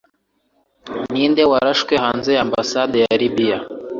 ninde warashwe hanze ya ambassade ya libiya